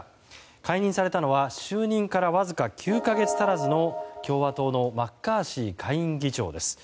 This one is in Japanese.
解任されたのは就任からわずか９か月足らずの共和党のマッカーシー下院議長です。